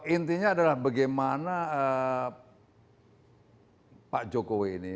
intinya adalah bagaimana pak jokowi ini